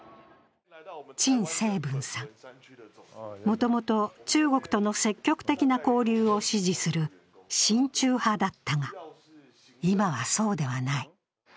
陳聖文さん、もともと中国との積極的な交流を支持する親中派だったが、今はそうではない。